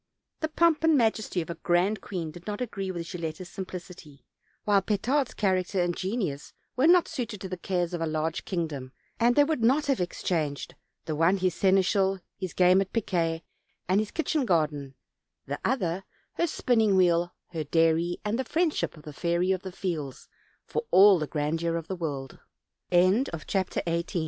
The pomp and majesty of a grand queen did not agree with Gilletta's simplicity; while Petard's character and genius were not suited to the cares of a large kingdom; and they would not have exchanged, the one his seneschal, his game at piquet, and his kitchen garden; the other, her spinning wheel, her dairy, and the friendship of the Fairy of the Fields, for all the grandeur in the wo